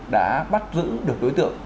đã bắt giữ được đối tượng